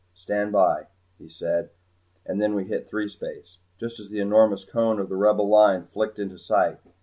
"Stand by," he said, and then we hit threespace, just as the enormous cone of the Rebel Line flicked into sight.